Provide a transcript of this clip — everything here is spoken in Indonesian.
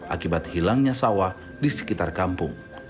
akibat hilangnya sawah di sekitar kampung